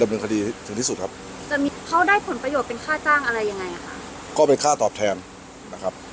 จะมีเขาได้ผลประโยชน์เป็นค่าจ้างอะไรยังไงค่ะก็เป็นค่าตอบแทนนะครับ